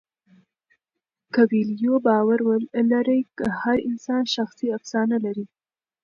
کویلیو باور لري هر انسان شخصي افسانه لري.